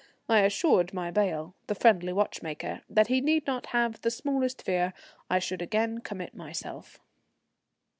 I assured my bail, the friendly watchmaker, that he need not have the smallest fear I should again commit myself.